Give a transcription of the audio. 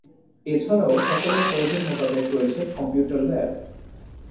এছাড়াও সকলের প্রয়োজন মোতাবেক রয়েছে কম্পিউটার ল্যাব।